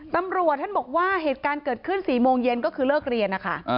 ตำรวจท่านบอกว่าเหตุการณ์เกิดขึ้น๔โมงเย็นก็คือเลิกเรียนนะคะ